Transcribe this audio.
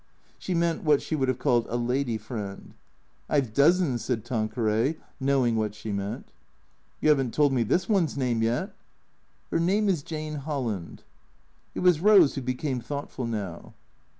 She meant what she would have called a lady friend. " I 've dozens," said Tanqueray, knowing what she meant. " You have n't told me this one's name yet." " Her name is Jane Holland." It was Eose who became thoughtful now.